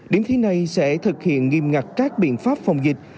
điểm thi này sẽ thực hiện nghiêm ngặt các biện pháp phòng dịch